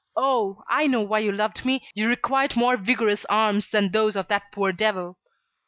Oh! I know why you loved me. You required more vigorous arms than those of that poor devil."